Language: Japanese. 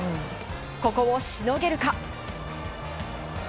ここをしのげるか。